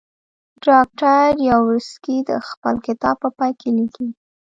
ډاکټر یاورسکي د خپل کتاب په پای کې لیکي.